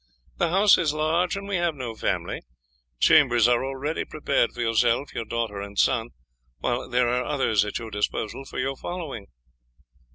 The house is large, and we have no family. Chambers are already prepared for yourself, your daughter, and son, while there are others at your disposal for your following."